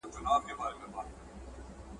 زه له سهاره سپينکۍ پرېولم!.